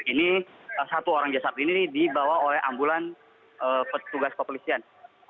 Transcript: ini satu orang jasad ini dibawa oleh ambulan petugas kepolisian